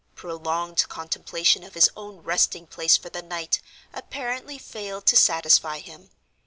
Prolonged contemplation of his own resting place for the night apparently failed to satisfy him.